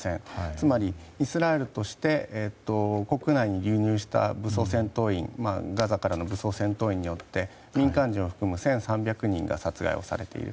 つまり、イスラエルとして国内に流入したガザからの武装戦闘員によって民間人を含む１３００人が殺害をされている。